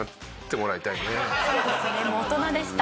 もう大人でした。